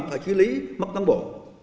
phải xử lý mặt cán bộ